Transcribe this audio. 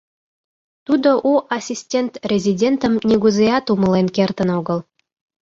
Тудо у ассистент-резидентым нигузеат умылен кертын огыл.